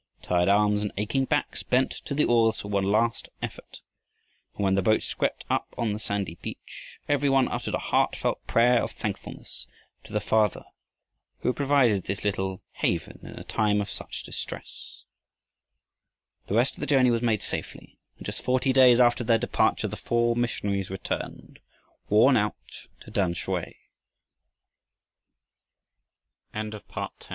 Tired arms and aching backs bent to the oars for one last effort, and when the boat swept up on the sandy beach every one uttered a heartfelt prayer of thankfulness to the Father who had provided this little haven in a time of such distress. The rest of the journey was made safely, and just forty days after their departure the four missionaries returned, worn out, to Tamsui. CHAPTER XIII.